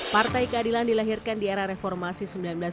partai keadilan dilahirkan di era reformasi seribu sembilan ratus sembilan puluh